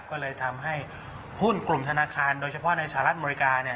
ก็เลยทำให้หุ้นกลุ่มธนาคารโดยเฉพาะในสหรัฐอเมริกาเนี่ย